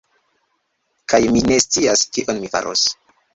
Kaj mi ne scias, kion mi faros